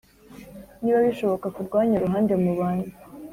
Niba bishoboka ku rwanyu ruhande mubane